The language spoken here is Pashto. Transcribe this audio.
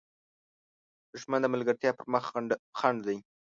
دښمن د ملګرتیا پر مخ خنډ دی